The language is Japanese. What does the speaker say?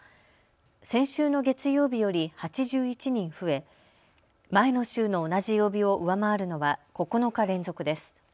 先週の月曜日より８１人増え、前の週の同じ曜日を上回るのは９日連続です。